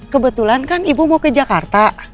kebetulan kan ibu mau ke jakarta